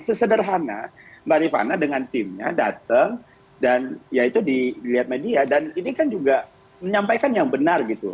sesederhana mbak rifana dengan timnya datang dan ya itu dilihat media dan ini kan juga menyampaikan yang benar gitu